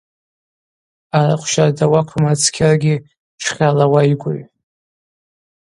Арахв щарда уаквымрыцкьаргьи тшхьала уайгвыгӏв.